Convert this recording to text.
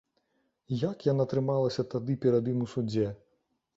Як яна трымалася тады перад ім у судзе!